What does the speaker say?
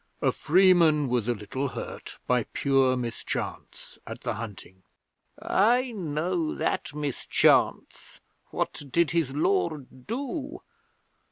A freeman was a little hurt, by pure mischance, at the hunting.' 'I know that mischance! What did his Lord do?